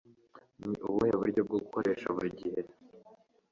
ni ubuhe buryo bwo gukoresha buri gihe